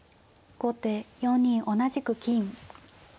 後手４二同じく金。